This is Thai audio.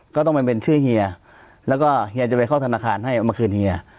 ก็ต้องไปเป็นชื่อเฮียแล้วก็เฮียจะไปเข้าธนาคารให้เอามาคืนเฮีย